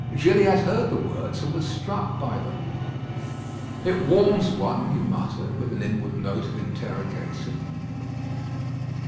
Gilliatt heard the words, and was struck by them. "It warms one," he muttered, with an inward note of interrogation.